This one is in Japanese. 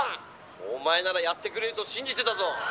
お前ならやってくれると信じてたぞ」。